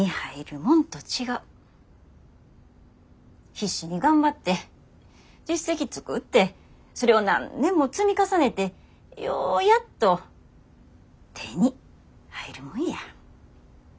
必死に頑張って実績作ってそれを何年も積み重ねてようやっと手に入るもんや。